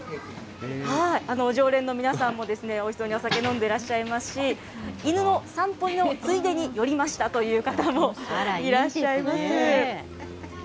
常連の皆さんもおいしそうにお酒飲んでいらっしゃいますし、犬の散歩のついでに寄りましたという方もいらっしゃいます。